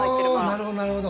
なるほどなるほど。